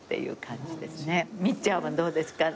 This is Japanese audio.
ミッちゃんはどうですか？